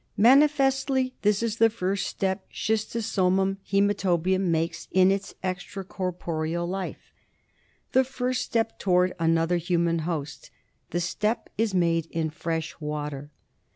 Manifestly this is the first step Schisiosomum hcematobium makes in its extracorporeal life ; the first step towards another human host. The step is made in fresh water.